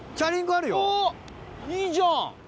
いいじゃん！